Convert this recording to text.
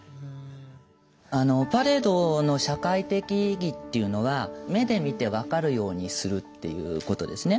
パレードの社会的意義っていうのは目で見て分かるようにするっていうことですね。